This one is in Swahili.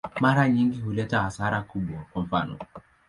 Mara nyingi huleta hasara kubwa, kwa mfano.